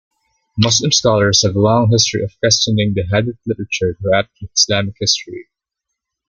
Muslim scholars have a long history of questioning the Hadith literature throughout Islamic history.